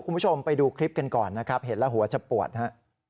คุณผู้ชมไปดูคลิปกันก่อนนะครับเห็นแล้วหัวจะปวดฮะ